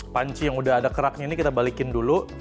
panci yang udah ada keraknya ini kita balikin dulu